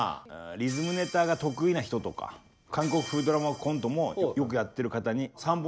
リズムネタが得意な人とか韓国風ドラマコントもよくやってる方にえ！